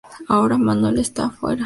Ahora Manuel está fuera.